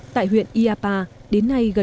tại huyện iapa đến nay gần